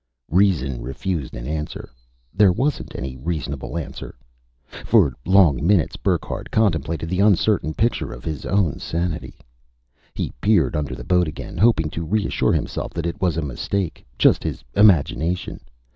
Reason refused an answer; there wasn't any reasonable answer. For long minutes, Burckhardt contemplated the uncertain picture of his own sanity. He peered under the boat again, hoping to reassure himself that it was a mistake, just his imagination.